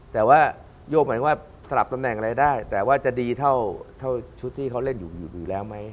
แต่ว่าโยกหมายถึงว่าสลับตำแหน่งอะไรได้แต่ว่าจะดีเท่าชุดที่เขาเล่นอยู่แล้วไหม